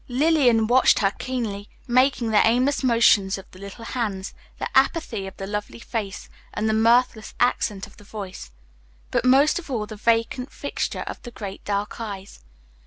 Lillian watched her keenly, marking the aimless motions of the little hands, the apathy of the lovely face, and the mirthless accent of the voice; but most of all the vacant fixture of the great dark eyes.